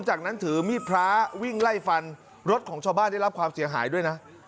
จากนั้นถือมีดพระวิ่งไล่ฟันรถของชาวบ้านได้รับความเสียหายด้วยนะ